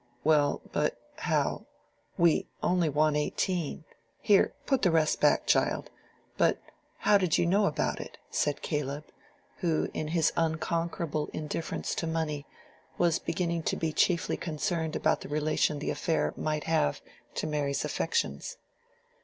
"Well, but how—we only want eighteen—here, put the rest back, child,—but how did you know about it?" said Caleb, who, in his unconquerable indifference to money, was beginning to be chiefly concerned about the relation the affair might have to Mary's affections.